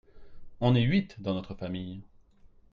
On est huit dans notre famille.